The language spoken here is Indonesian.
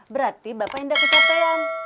berarti bapak indah kecapean